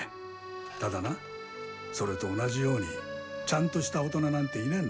ただなそれと同じようにちゃんとした大人なんていねんら。